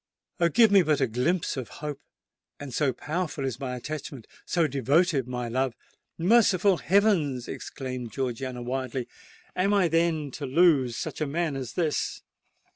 Oh! give me but a glimpse of hope, and so powerful is my attachment—so devoted my love——" "Merciful heavens!" exclaimed Georgiana wildly,—"am I then to lose such a man as this?"